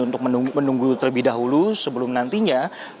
untuk menunggu terlebih dahulu sebelum nantinya